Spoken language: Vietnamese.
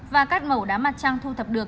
và các mẫu đá mặt trăng thu thập được